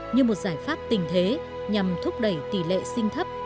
như một giải pháp tình thế nhằm thúc đẩy tỷ lệ sinh thấp